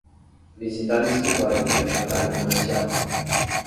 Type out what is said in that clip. Visitar o escritório durante o horário comercial